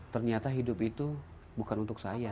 ternyata hidup itu bukan untuk saya